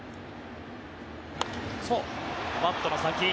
バットの先。